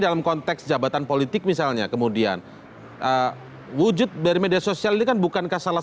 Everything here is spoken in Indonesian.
dalam konteks jabatan politik misalnya kemudian wujud dari media sosial ini kan bukankah salah